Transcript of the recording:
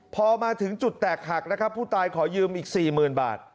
พอมาถึงจุดแตกหักนะครับผู้ตายขอยืมอีก๔๐๐๐บาท